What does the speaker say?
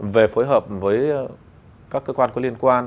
về phối hợp với các cơ quan có liên quan